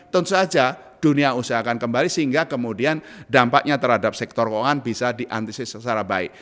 tentu saja dunia usaha akan kembali sehingga kemudian dampaknya terhadap sektor keuangan bisa diantisipasi secara baik